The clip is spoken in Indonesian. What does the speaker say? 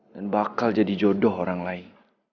dan bakal jadi jodoh orang lain